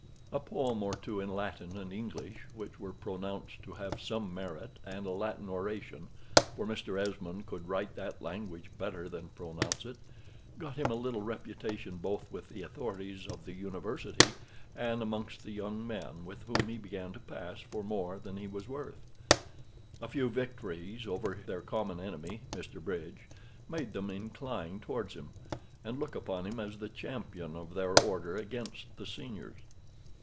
A poem or two in Latin and English, which were pronounced to have some merit, and a Latin oration, (for Mr. Esmond could write that language better than pronounce it,) got him a little reputation both with the authorities of the University and amongst the young men, with whom he began to pass for more than he was worth. A few victories over their common enemy, Mr. Bridge, made them incline towards him, and look upon him as the champion of their order against the seniors.